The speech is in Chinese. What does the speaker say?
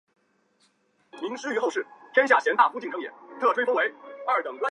漏芦为菊科漏芦属下的一个种。